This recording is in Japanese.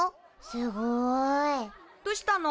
すごい。どしたの？